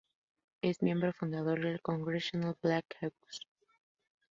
Es miembro fundador del Congressional Black Caucus.